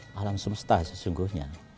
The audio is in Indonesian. ini adalah alam semesta sesungguhnya